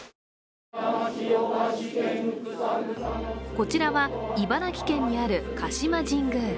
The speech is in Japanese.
こちらは茨城県にある鹿島神宮。